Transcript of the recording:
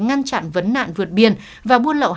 ngăn chặn vấn nạn vượt biên và buôn lậu